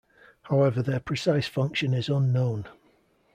However their precise function is unknown.